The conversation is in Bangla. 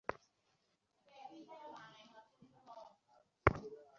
তাতে বিচারপতিরাও নাম পরিবর্তনের বিরুদ্ধে আইনজীবীদের দাবির প্রতি সমর্থন জানিয়ে প্রস্তাব নেন।